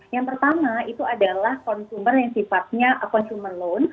yang pertama itu adalah konsumer yang sifatnya consumer loan